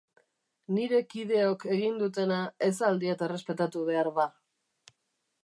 Nire kideok egin dutena ez al diat errespetatu behar, ba?